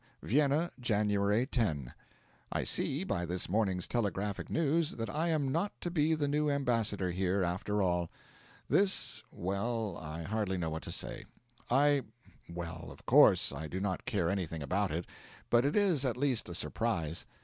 VIENNA, January 10. I see, by this morning's telegraphic news, that I am not to be the new ambassador here, after all. This well, I hardly know what to say. I well, of course, I do not care anything about it; but it is at least a surprise.